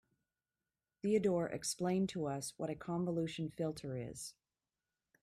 Theodore explained to us what a convolution filter is.